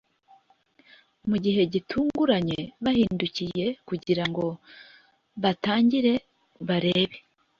mugihe gitunguranye bahindukiye, kugirango batangire barebe